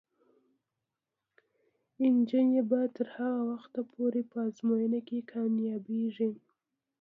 نجونې به تر هغه وخته پورې په ازموینو کې کامیابیږي.